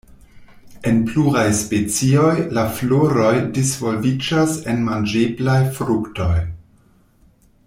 En pluraj specioj, la floroj disvolviĝas en manĝeblaj fruktoj.